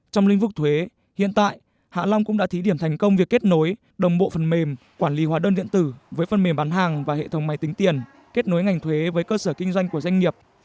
trong lĩnh vực thuế hiện tại hạ long cũng đã thí điểm thành công việc kết nối đồng bộ phần mềm quản lý hóa đơn điện tử với phần mềm bán hàng và hệ thống máy tính tiền kết nối ngành thuế với cơ sở kinh doanh của doanh nghiệp